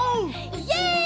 イエイ！